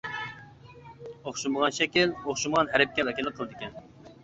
ئوخشىمىغان شەكىل ئوخشىمىغان ھەرپكە ۋەكىللىك قىلىدىكەن.